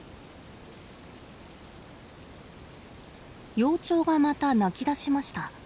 幼鳥がまた鳴き出しました。